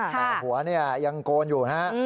หัวเนี่ยยังโกนอยู่นะ